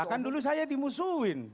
bahkan dulu saya dimusuhin